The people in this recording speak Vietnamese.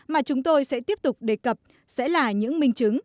mà chúng tôi sẽ tiếp tục đề cập sẽ là những minh chứng